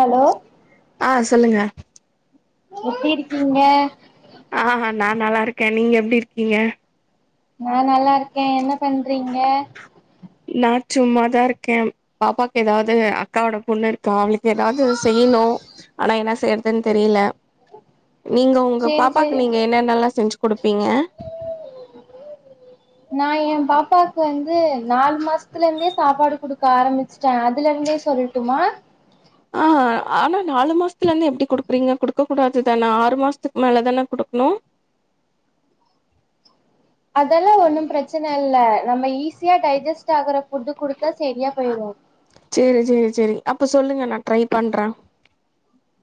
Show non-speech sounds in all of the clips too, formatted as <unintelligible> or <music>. Hello அ சொல்லுங்க எப்டி இருக்கீங்க ஆ ஹ நா நல்லா இருக்கே நீங்க எப்டி இருக்கீங்க நா நல்லாருக்கே என்ன பண்றீங்க நா சும்மாதா இருக்கே பாப்பாக்கு ஏதாவது அக்காவோட பொண்ணு இருக்கா அவளுக்கு ஏதாவது செய்யணு ஆனா என்ன செய்யறதுன் தெரில <inaudible> நீங்க ஒங்க சேரி சேரி பாப்பாக்கு நீங்க என்னன்னல்லா செஞ்சு குடுப்பீங்க <inaudible> நா எ பாப்பாக்கு வந்து நாலு மாசத்துல இருந்தே சாப்பாடு குடுக்க ஆரம்பிச் ஸ்டே அதுல இருந்தே சொல்லடுமா ஆ <inaudible> ஆனா நாலு மாசத்துல இருந்து எப்டி குடுப்பிங்க குடுக்க கூடாதுதான ஆறு மாசத்துக்கு மேல தான குடுக்ணு அதல்லா ஒன்னு பிரச்சன இல்ல நம்ம ஈஸியா டைஜஸ்ட் ஆகற ஃபுட்டு குடுத்தா சரியா போய்று சேரி சேரி சேரி அப்ப சொல்லுங்க நா ட்ரை பண்றே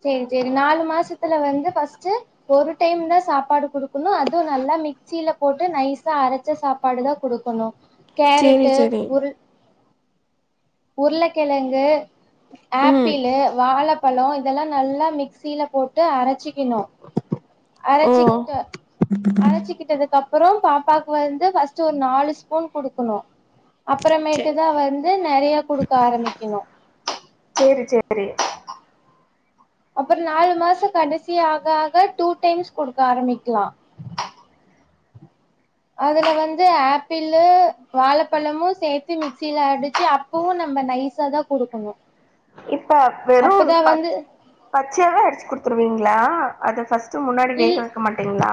சேரி சேரி நாலு மாசத்துல வந்து ஃபஸ்டு ஒரு டைம் தா சாப்பாடு குடுக்கணு அதுவு நல்லா மிக்சில போட்டு நைசா அரச் ச சாப்பாடு தா குடுக்கணு சேரி கேரட்டு சேரி உருள் உருளகெழங்கு ம் ஆப்பிளு வாழ பழோ இதல்லா நல்லா மிக்சில போட்டு அரச்சிக்கனு ஓ அரச்சிக்கிட்டு அரச்சிக்கிட்டதுக்கு அப்பறோ பாப்பாக்கு வந்து ஃபர்ஸ்ட் ஒரு நாலு ஸ்பூன் குடுக்கணு சே அப்பறமேட்டு தா வந்து நெறைய குடுக்க ஆரம்பிக்கனு சேரி சேரி அப்பறோ நாலு மாச கடைசி ஆக ஆக டூ டைம்ஸ் குடுக்க ஆரம்பிக்லா அதுல வந்து ஆப்பிளு வாழைப்பழமு சேத்து மிக்சில அடிச்சு அப் பவு நம்ப நைஸாதா குடுக்குணு இப்ப வெறு பச் பச்சையாவே அடிச்சு குடுத்துருவீங்களா அத ஃபர்ஸ் ட் முன்னாடி வேக இல் வைக்க மாட்டீங்ளா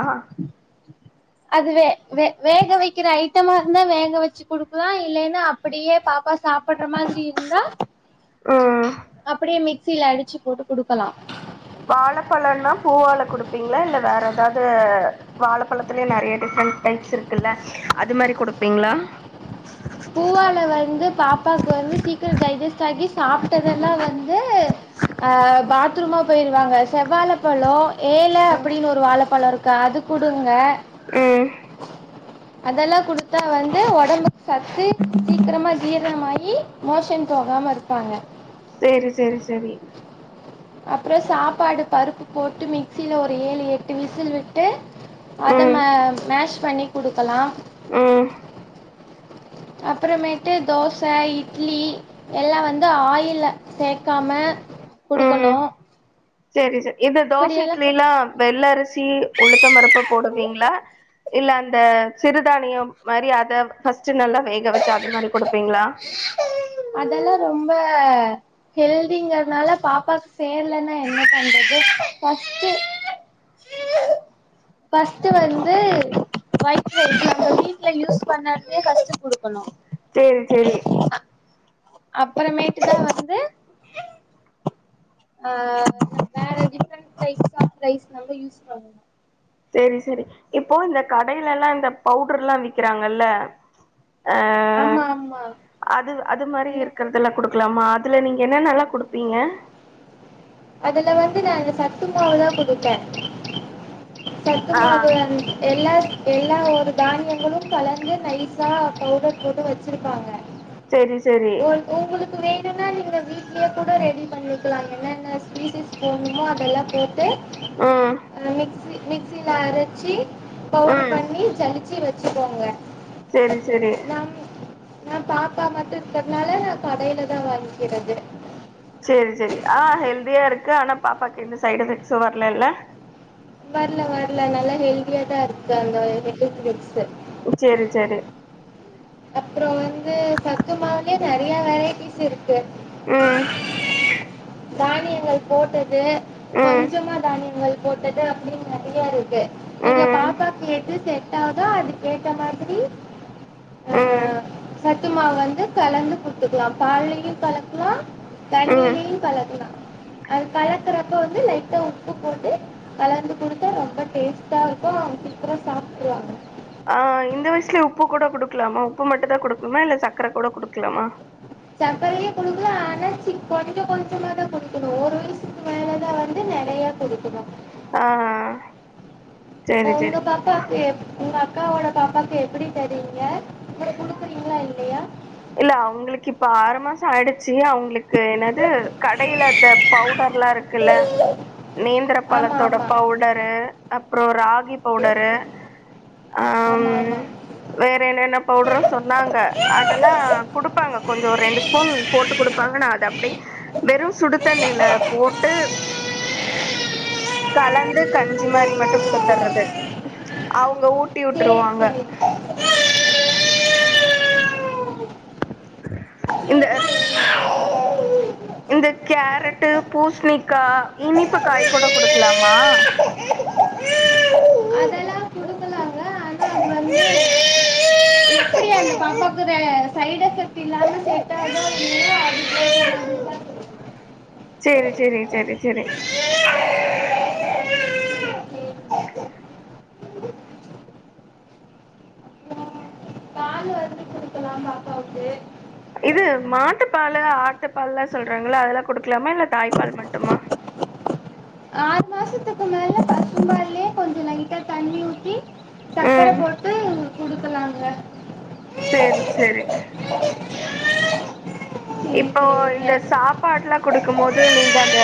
அது வே வே வேக வைக்கிற ஐட்டமா இருந்தா வேக வச்சு குடுக்கலா இல்லைன்னா அப் படியே பாப்பா சாப்புட்ற மாதிரி இருந்தா ம் அப்படியே மிக்சியில அடிச்சு போட்டு குடுக்கலா வாழப்பழன்னா பூவாழ குடுப்பீங்களா இல்ல வேற ஏதாவது வாழப்பழத்தலேயே நறைய டிஃப்ரண்ட் டைப்ஸ் இருக்குல்ல அது மாரி குடுப்பீங்ளா பூவாழ வந்து பாப்பாக்கு வந்து சீக்கிர டைஜெஸ்ட் ஆகி சாப்பிட்டதெல்லா வந் து ஆ பாத்ரூமா போயிருவாங்க செவ்வாழப்பழோ ஏழ ம் அப்படின்னு ஒரு வாழைப்பழ இருக் கு அது குடுங்க ம் அதெல்லா குடுத்தா வந்து ஒடம்பு சத்து சீக்கிரமா ஜீரணமாகி மோஷன் போகாம இருப்பாங்க சேரி சேரி சேரி அப்பறோ சாப்பாடு பருப்பு போட்டு மிக்சில ஒரு ஏழு எட்டு விசில் விட்டு அத ம் மே மேஷ் பண்ணி குடுக்கலா ம் அப்பறமேட்டு தோச, இட்லி எல்லா வந்து ஆயில சேக்காம குடுக்கணு சேரி சே இந்த தோச இட்லிலா வெள்ள அரிசி உளுத்தம்பருப்பு போடுவீங்ளா இல்ல அந்த சிறுதானியம் மாரி அத ஃபர்ஸ்ட் நல்லா வேக வச்சு அது மாரி குடுப்பீங்ளா அதெல்லா ரொம்ப ஹெல்திங்கறனால பாப்பாக்கு சேரலன்னா என்ன பண்றது ஃபர்ஸ்ட் ஃபஸ்ட்டு வந்து ஒயிட்ல நம்ப வீட்ல யூஸ் பண்ணறதே ஃபர்ஸ்ட் குடுக்கணு சேரி சேரி அப்பறமேட்டுதா வந்து ஆ, வேற டிஃப்ரண்ட் டைப்ஸ் ஆஃப் ரைஸ் நம்ப யூஸ் பண்ணு சேரி சேரி இப்போ இந்த கடையிலல்லா இந்த பவுடர்லா விக்கிறாங்கல்ல ஆ ஆமா ஆமா அது அது மாரி நீங்க இருக்கற துலா குடுக்கலாமா அதுல நீங்க என்னென்னல்லா குடுப்பீங்க அதுல வந்து நானு சத்துமாவுதா குடுப்ப சத்து ஆ மாவு அந் எல்லா எல்லா ஒரு தானியங்களு கலந்து நைஸா பவுடர் போட்டு வச்சிருப்பாங்க சேரி சேரி ஒரு உங்களுக்கு வேணுன்னா நீங்க வீட்லயே கூட ரெடி பண்ணிக்கலா என்னன்ன திங்ஸஸ் போட்னுமோ அதெல்லா போட்டு ம் அ மிக்ஸி மிக்சில அரச்சி பவுடர் ம் பண்ணி சலிச்சி வச்சுக்கோங்க சேரி சேரி நா பாப்பா மட்டு இருக்கறனாலா நா கடையிலதா வாங்கிக்கிறது சேரி சேரி, ஆ ஹெல்தியா இருக்கு ஆனா பாப்பாக்கு எந்த சைட் எஃபெக்ட்ஸும் வரலைல்ல வரல வரல நல்லா ஹெல்தியாதா இருக்கங்கா இந்த ட்ரிங்க் குடிச்சு உ சேரி சேரி அப்றோ வந்து சத்து மாவ்லே நெறையா வெரைட்டிஸ் இருக்கு ம் தானியங்கள் போட்டது ம் கொஞ்சமா தானியங்கள் போட்டது அப்டின் நெறியா இருக்கு நீங்க ம் பாப்பா கேட்டு செ ட்டாவுதா அது கேட்ட மாதிரி ஆ ம் சத்துமாவு வந்து கலந்து குடுத்துக்லாம் பால்லயு கலக்லா ம் தண்ணிலியும் கலக்கலா அது கலக்குறப்ப வந்து லைட்டா உப்பு போட்டு கலந்து குடுத்தா ரொம்ப டேஸ்ட்டாருக்கு சீக்கரோ சாப்ட்ருவாங்க ஆ இந்த வயசுலே உப்பு கூட குடுக்கலாமா உப்பு மட்டு தா குடுக்கனுமா இல்ல சக்கர கூட குடுக்கலாமா சக்கரையே குடுக்கலா ஆனா சி கொஞ்ச கொஞ்சமாதா குடுக்கணு ஒர் வய்சுக்கு மேலதா வந்து நெறையா குடுக்கணு ஆஅ போ உங்க பாப்பாக்கு எப் உங்க அக்காவோட பாப்பாக்கு எப்படி தரிங்க குடு குடுக்குறீங்ளா இல்லையா இல்ல அவுங்களுக்கு இப்ப ஆறு மாச ஆயிடுச்சி அவுங்ளுக் தேனது கடையில த பவுடர்ல்லா இருக்குல்ல நேந்திர ஆமா பழத்தோட ஆமா பவ்டரு அப்றோ ராகி பவ்டரு ஆம் ஆமா ஆமா வேற என்னென்ன பவ்டறோ சொன்னாங்க அத் அதெல்லா குடுப்பாங்க கொஞ்சோ ரெண்டு ஸ்பூன் போட்டு குடுப்பாங்க நா அது அப்டி வெறு சுடு தண்ணில போட்டு சரி <unintelligible> கலந்து கஞ்சி மாரி மட்டு குடுத்தர்றது அவ்ங்க ஊட்டி விட்ருவாங்க சரி இந்த எர் இந்த கேரட்டு பூஸ்ணிக்கா இனிப்புக் காய் கூட குடுக்கலாமா அதெல்லாம் கொடுக்கலாங்க ஆனா அ ஆஆ ஆன் ந்த பாப்பாக்கு சைட் எஃபெக்ட் இல்லாம செட்டாகுதோ அத தான் குடுக்கணும் <inaudible> சேரி சேரி செரி செரி பால் வந்து குடுக்கலாம் பாப்பாவுக்கு இது மாட்டுப்பாலு ஆட்டுப்பால்லா சொல்றாங்கள அதெல்லா குடுக்கலாமா இல்ல தாய்ப்பால் மட்டுமா ஆறு மாசத்துக்கு மேல பசும்பால்லே கொஞ்ச லைட்டா தண்ணி ஊத்தி சக்கர ம் போட்டு குடுக்கலாங்க செரி செரி சேரி இப்போ சேரிங்க இந்த சாப் ப்பாட்லா குடுக்குமோது நீங்க அந்த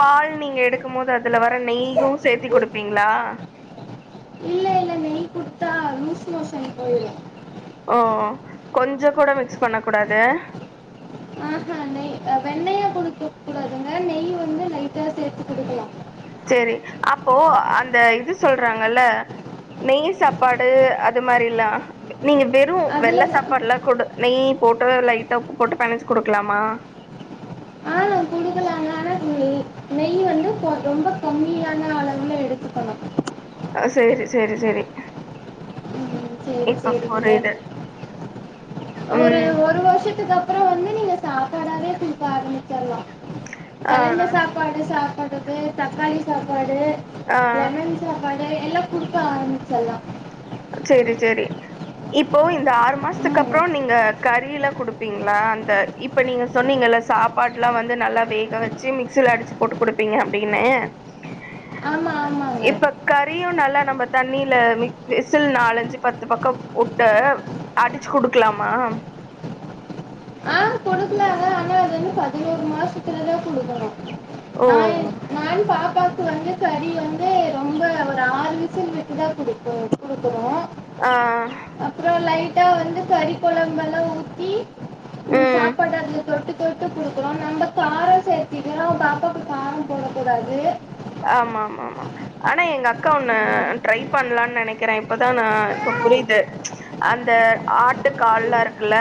பால் நீங்க எடுக் க்கும் மோது அதுல வர நெய்யு சேத்தி குடுப்பீங்ளா இல்ல இல்ல நெய் குடுத்தா லூஸ் மோசன் போய்ரு ஓஓ கொஞ்ச கூட மிக்ஸ் பண்ண கூடாது ஆஹா நெய் அ வெண்ணையா குடுக்க கூடாதுங்க நெய்யு வந்து லைட்டா சேத்து குடுக்கலா செரி அப்போ அந்த இது சொல்றாங்கள நெய்யு சாப்பாடு அது மாரிலா மே நீங்க வெறு வெள்ள அதுல சாப்பாட்லா குடு நெய் போட்டு லைட்டா உப்பு போட்டு பெணச்சு குடுக்கலாமா ஆ குடுக்களே அதனால நெய் நெய் வந்து கொ ரொம்ப கம்மியான அளவுல எடு ஆ சேரி செரி செரி ம் சேரி சேரிங்க புரியுது ஒரு ம் ஒரு வருஷத்துக்கப் றோ வந்து நீங்க சாப்பாடாவே குடுக்க ஆரம்பிச்சிர்லா ஆ கலந்த சாப்பாடு சாப்பிடுறது தக்காளி சாப்பாடு ஆ லெமன் சாப்பா டு எல்லா குடுக்க ஆரம்பிச்சர்ல்லா சேரி சேரி இப்போ இந்த ஆறு மாசத்துக்கு ம் அப்றோ நீங்க கறிலா குடுப்பீங்ளா அந்த இப்போ நீங்க சொன்னிங்கல்ல சாப்பாடுலா வந்து நல்லா வேக வெச்சு மிக்ஸியில அடிச்சி போட்டு குடுப்பீங்க அப்பிடின்னு ஆமா ஆமாங்க கறியு நல்லா நம்ம தண்ணில மிக் விசில் நாலஞ்சு பத்து பக்கோ உட்டு அடிச்சு குடுக்கலாமா ஆ குடுக்கலாங்க ஆனா அது வந்து பதினோரு மாசத்துலதா குடுக்கணு ஓ நா எ நான் பாப்பாக் கு வந்து கறி வந்து ரொம்ப ஒரு ஆறு விசில் விட்டு தா குடுப்போ குடுக்குறோ ஆ அப்றோ லைட்டா வந்து கறி கொழம்பல்ல ஊத்தி ம் சாப்பாடு அதுல தொட்டுக் தொட்டு குடுக்குறோ நம்ம காரோ சேத்திடலா பாப்பாக்கு காரோ போட கூடாது ஆமாமாமா ஆனா எங்க அக்கா ஒன்னு ட்ரை பண்ணலான் நெனைக்கிறே இப்பதா நா இப்ப புரியிது அந்த ஆட்டு கால்லா இருக்குல்ல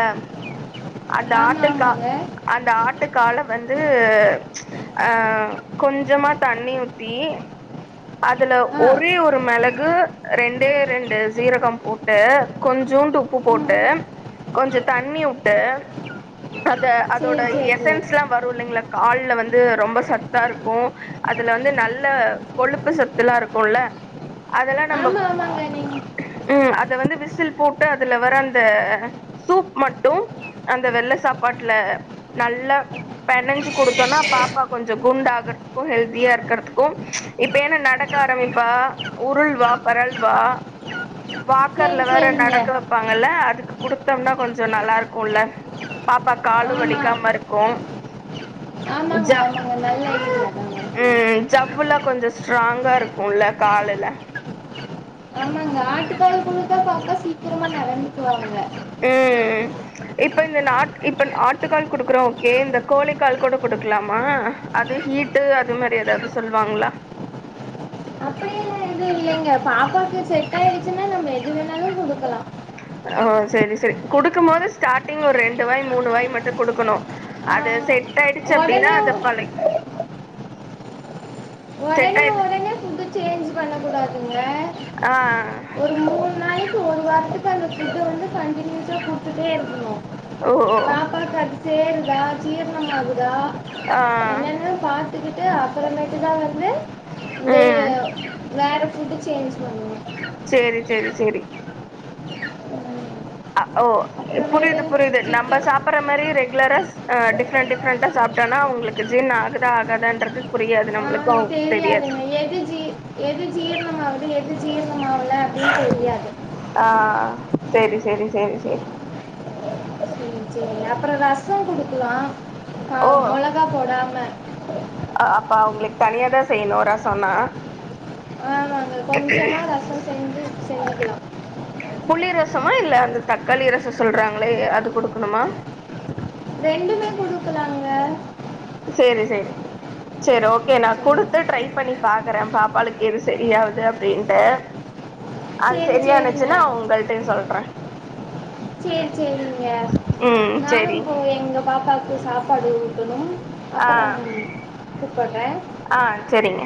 அந்த ஆமா ஆட்டு கா ஆமாங்க அந்த ஆட்டு கால வந்து ஆ கொஞ்சமா தண்ணி ஊத்தி அதுல ஆ ஒரே ஒரு மிள கு ரெண்டே ரெண்டு சீரகம் போட்டு கொஞ்சூண்டு உப்பு ம் போட்டு கொஞ்ச தண்ணி உட்டு அத அதோட சரி சரிங்க எசன்ஸ்லா வருல்லைங்களா கால்ல வந்து ரொம்ப சத்தா இருக்கு அதுல வந்து நல்ல கொழுப்பு சத்துல்லா இருக்குல்ல அதெல்லா நம்ம ஆமாம் ஆமாங்க நீங்கள் ம் அத வந்து விசில் போட்டு அதுல வர அந்த சூப் மட்டு அந்த வெள்ள சாப்பாட்ல நல்லா பெனஞ்சு குடுத்தனா பாப்பா கொஞ்ச குண்டு ஆகுறதுக்கு ஹெல்தியா இருக்கிறதுக்கு இப்ப என்ன நடக்க ஆரம்பிப்பா உருள்வா பெரள்வா சரி வாக்கர்ல வேற சரிங்க நடக்க வெப்பாங்கல்ல அதுக்கு குடுத்தம்னா கொஞ்ச நல்லார்க்குல்ல பாப்பா காலு ஆமாம் வலிக்காம இருக்கு ஜ ஆமாங்க ஆமாங்க நல்ல ஐடியா தாங்க ம் ஜவ்வுல்லா கொஞ்ச ஸ்ட்ராங்கா இருக்குல்ல காலுல ஆமாங்க ஆட்டுக்காலு குழுத்தா பாப்பா சீக்கிரமா நடந்துக்குவாங்க ம் இப்ப இந்த நாட் இப்ப ஆட்டுக்கால் குடுக்குறோ ஓகே இந்த கோழிக்கால் கூட குடுக்கலாமா? அது ஹீட்டு அது மாரி ஏதாவ்து சொல்வாங்ளா? அப்டியெல்ல எது இல்லைங்க பாப்பாக்கு செட்டாயிடுச்சுன்னா நம்ம எது வேணாலு குடுக்கலா ம் செரி செரி குடுக்கும்போது ஸ்டாட்டிங் ஒரு ரெண்டு வாய் மூணு வாய் மட்டு குடுக்கணு ஆ, அது செட் செட் ஆயிடுச்சு அப்படின்னா உடனே அத பழய் செட் ஆய்டுச் பாத்தீங்க ஆ எங்க ஆத்துக்காரருக்கு சுகர் வந்து கன்டினியூசா குடுத்துட்டே இருக்கணு ஓ ஓ பாப்பாக்கு சேருதா? சீரணம் ஆகுதா? ஆ என்னென்ன பா த்துக்கிட்டு அப்புறமேட்டு தா வந்து இந்தே ம் வேற ஃபுட் சேஞ்ச் பண்ணு சேரி சேரி சேரி ஓ அப்புறமேட்டு புரியுது புரியுது நம்ம சிக்கன் சாப்பற மாரி ரெ குலராஸ் ஆ டிஃப்ரெண்ட் டிஃப்ரெண்டா சாப்டானா அவங்களுக்கு ஜீரண ஆகுதா ஆகதான்றது புரியாது நம்மளுக் தெரியாதுங்க எது ஜீ எது ஜீர்ணம் ஆகுது எது ஜீர்ணம் ஆகல அப்படின்னு தெரியாது ஆ சரி சரி சரி சரி சரி சரி அப்பற ரச குடுக்கலா ஆ ஓ மொளகா போடாம அப்ப அவங்களுக்கு தனியாதா செய்யணு ரசோன்னா ஆமாங்க கொஞ்சமா ரச செஞ்சு செஞ்சிக்கலா புளி ரசமா இல்ல அந்த தக்காளி ரச சொல்றாங்களே அது குடுக்கணுமா ரெண்டுமே குடுக்கலாங்க சேரி சேரி சேரி ஓகே நா சரி குடுத்து ட்ரை பண்ணி பாக்கறே பாப்பாளுக்கு எது சரியாவுது அப்படின்ட்டு <inaudible> அது சரியானுச்சுன்னா சரிங்க உங்கள்டையு சொல்றே சேரி சேரிங்க ம் நானு சேரி போய் எங்க பாப்பாக்கு சாப் பாடு ஊட்டணு ஆ அப்பற கூப்பறே ஆ சேரிங்க